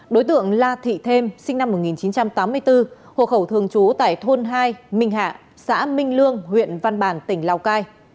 đối tượng là thị thêm sinh năm một nghìn chín trăm tám mươi bốn hộ khẩu thương chú tại thôn hai minh hạ xã minh lương huyện văn bản tỉnh lào cai